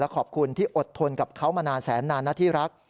ขอบคุณที่อดทนกับเขามานานแสนนานนะที่รัก